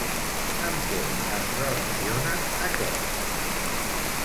Amb què es relaciona aquest?